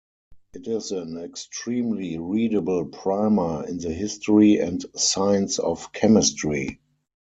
It is an extremely readable primer in the history and science of chemistry.